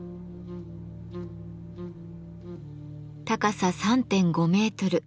高さ３．５メートル